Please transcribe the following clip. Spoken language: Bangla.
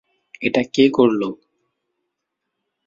এটা কে করলো?